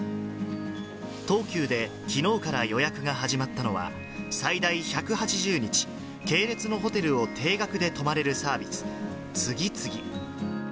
東急できのうから予約が始まったのは、最大１８０日、系列のホテルを定額で泊まれるサービス、ツギツギ。